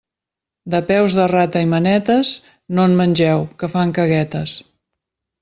De peus de rata i manetes, no en mengeu, que fan caguetes.